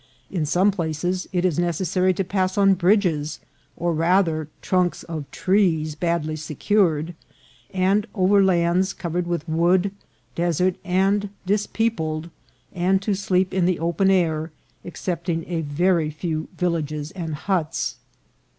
In some places it is necessary to pass on* bridges, or, rather, trunks of trees badly secured, and over lands covered with wood, desert and dispeopled, and to sleep in the open air, excepting a very few villages and huts.